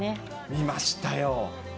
見ましたよ。